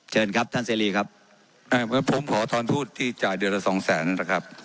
เชิญครับท่านเสรีครับผมขอทอนทูตที่จ่ายเดือนละสองแสนนะครับ